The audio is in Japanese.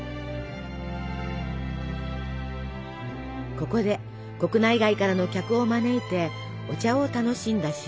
ここで国内外からの客を招いてお茶を楽しんだ渋沢。